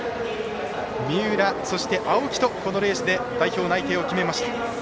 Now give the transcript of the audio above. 三浦、そして青木とこのレースで代表内定を決めました。